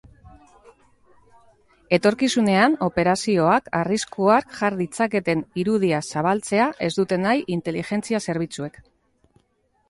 Etorkizunean operazioak arriskuak jar ditzaketen irudiak zabaltzea ez dute nahi inteligentzia zerbitzuek.